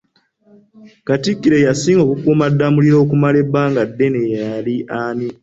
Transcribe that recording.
Katikkiro eyasinga okukuuma Ddamula okumala ebbanga eddene yali ani?